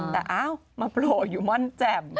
แต่เอ้ามาโปรอยู่มั่นแจ่ม